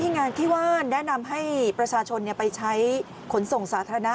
งานที่ว่านแนะนำให้ประชาชนไปใช้ขนส่งสาธารณะ